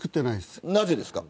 なぜですか。